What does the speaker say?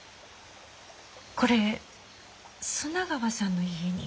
これ砂川さんの家に。